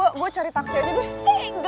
yuk gue cari taksi aja deh